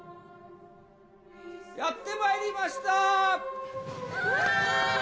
やってまいりましたわあー